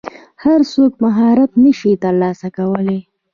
هر څوک مهارت نشي ترلاسه کولی.